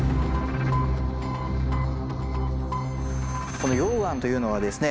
この溶岩というのはですね